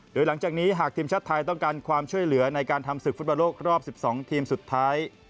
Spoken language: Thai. โดยหลังจากนี้หากทีมชาติไทยต้องการความช่วยเหลือในการทำศึกฟุตบอลโลกรอบ๑๒ทีมสุดท้าย